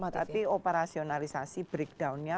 tapi operasionalisasi breakdownnya